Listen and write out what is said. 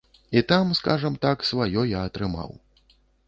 І там, скажам так, сваё я атрымаў.